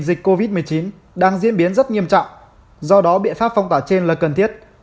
dịch covid một mươi chín đang diễn biến rất nghiêm trọng do đó biện pháp phong tỏa trên là cần thiết